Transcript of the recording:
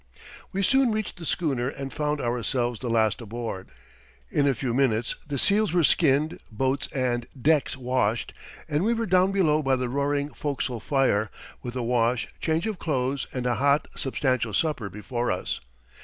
We soon reached the schooner and found ourselves the last aboard. In a few minutes the seals were skinned, boats and decks washed, and we were down below by the roaring fo'castle fire, with a wash, change of clothes, and a hot, substantial supper before us.